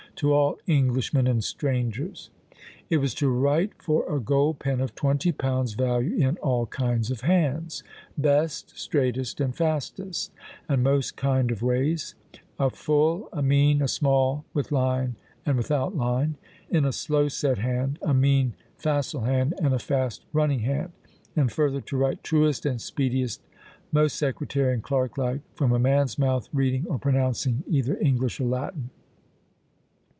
"To all Englishmen and strangers." It was to write for a gold pen of twenty pounds value in all kinds of hands, "best, straightest, and fastest," and most kind of ways; "a full, a mean, a small, with line, and without line; in a slow set hand, a mean facile hand, and a fast running hand;" and further, "to write truest and speediest, most secretary and clerk like, from a man's mouth, reading or pronouncing, either English or Latin."